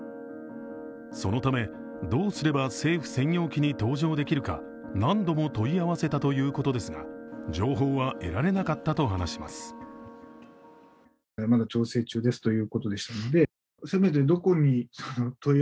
そのため、どうすれば政府専用機に搭乗できるか何度も問い合わせたということですが情報は得られなかったと話します。